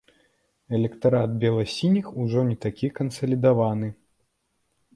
Электарат бела-сініх ужо не такі кансалідаваны.